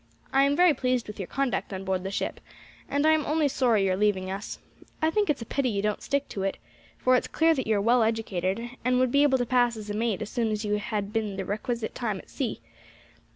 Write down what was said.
I am very pleased with your conduct on board the ship, and I am only sorry you are leaving us. I think it's a pity you don't stick to it, for it is clear that you are well educated, and would be able to pass as a mate as soon as you had been the requisite time at sea.